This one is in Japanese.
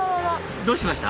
どうしました？